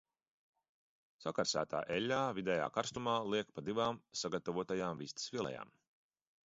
Sakarsētā eļļā vidējā karstumā liek pa divām sagatavotajām vistas filejām.